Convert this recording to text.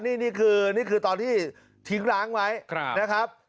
นี่คือนี่คือตอนที่ทิ้งร้างไว้นะครับ